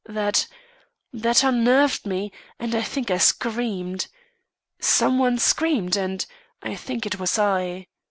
That that unnerved me, and I think I screamed. Some one screamed, and I think it was I.